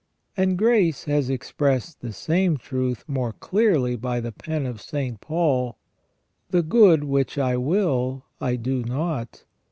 And grace has expressed the same truth more clearly by the pen of St. Paul :" The good which I will, I do not